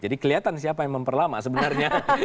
jadi kelihatan siapa yang memperlambat sebenarnya